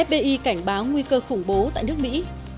fbi cảnh báo nguy cơ khủng bố tại nước mỹ